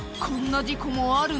「こんな事故」って。